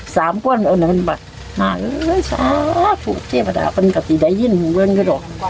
สามคนเอาหน่อยมามาเออช้าถูกเทพธาเป็นกับที่ได้ยิ่งมึงเวิร์นก็ดอก